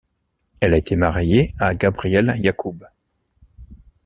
Elle a été mariée à Gabriel Yacoub.